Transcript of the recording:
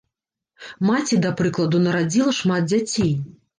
Маці, да прыкладу, нарадзіла шмат дзяцей.